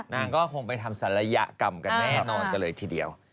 นางก็คงไปทำศัลยกรรมกันแน่นอนกันเลยทีเดียว